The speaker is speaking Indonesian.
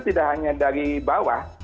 tidak hanya dari bawah